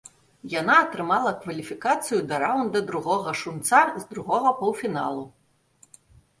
Яна атрымала кваліфікацыю да раўнда другога шунца з другога паўфіналу.